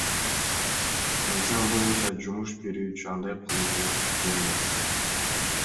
Мыйзам боюнча, жумуш берүүчү андай кылууга укуктуу эмес.